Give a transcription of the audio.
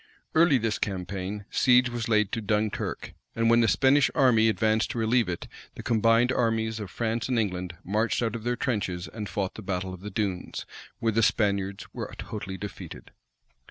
Early this campaign, siege was laid to Dunkirk; and when the Spanish army advanced to relieve it, the combined armies of France and England marched out of their trenches, and fought the battle of the Dunes, where the Spaniards were totally defeated.